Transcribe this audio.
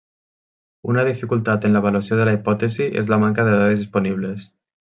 Una dificultat en l'avaluació de la hipòtesi és la manca de dades disponibles.